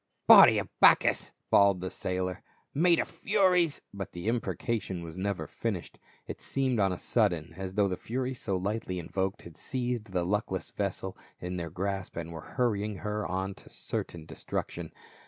"Body of Bacchus !" bawled the sailor, " may the furies —" But the imprecation was never finished ; it seemed on a sudden as though the furies so lightly invoked had seized the luckless vessel in their grasp and were hurrying her on to certain destruction.